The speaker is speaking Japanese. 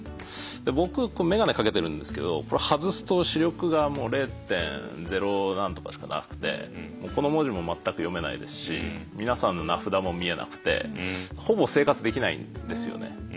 で僕こう眼鏡かけてるんですけどこれ外すと視力がもう０．０何とかしかなくてこの文字も全く読めないですしみなさんの名札も見えなくてほぼ生活できないんですよね。